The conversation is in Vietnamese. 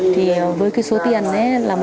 thì với cái số tiền là một trăm linh triệu